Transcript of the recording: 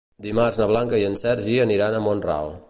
Dimarts na Blanca i en Sergi aniran a Mont-ral.